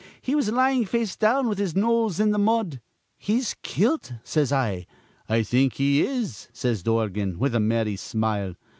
He was lyin' face down, with his nose in th' mud. 'He's kilt,' says I. 'I think he is,' says Dorgan, with a merry smile.